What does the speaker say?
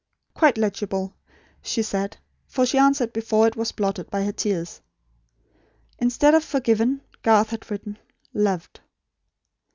"Quite legible," she said; for she answered before it was blotted by her tears. Instead of "forgiven," Garth had written: "LOVED."